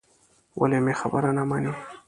ولې مې خبره نه منې.